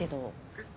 えっ？